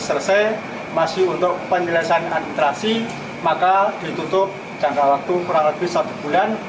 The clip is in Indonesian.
selesai masih untuk penyelesaian administrasi maka ditutup jangka waktu kurang lebih satu bulan